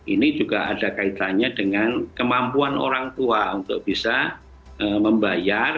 ini juga ada kaitannya dengan kemampuan orang tua untuk bisa membayar